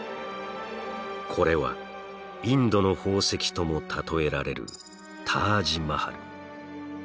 これはインドの宝石とも例えられるタージ・マハル。